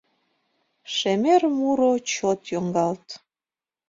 Шемер муро, чот йоҥгалт: